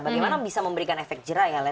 bagaimana bisa memberikan efek jerah ya